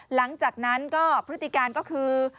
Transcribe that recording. หลังจากนั้นก็พฤติการก็คือ